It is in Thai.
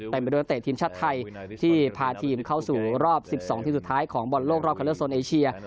ไปด้วยเตะทีมชาติไทยที่พาทีมเข้าสู่รอบ๑๒ทีมสุดท้ายของบอลโลกรอบคันเลือกโซนเอเชีย